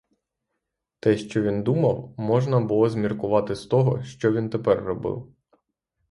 Те, що він думав, можна було зміркувати з того, що він тепер робив.